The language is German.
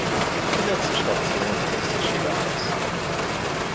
Die letzte Station ist das Schillerhaus.